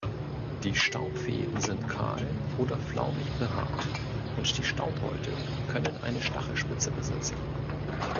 Die Staubfäden sind kahl oder flaumig behaart und die Staubbeutel können eine Stachelspitze besitzen.